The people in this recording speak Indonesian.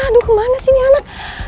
aduh kemana sih ini anak